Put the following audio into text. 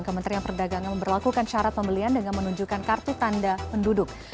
kementerian perdagangan memperlakukan syarat pembelian dengan menunjukkan kartu tanda penduduk